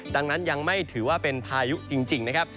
ดังนั้นยังไม่ถือว่าเป็นพายุจริงนะครับ